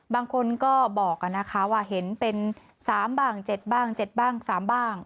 บางคนก็บอกอ่ะนะคะว่าเห็นเป็นสามบ้างเจ็ดบ้างเจ็ดบ้างสามบ้าง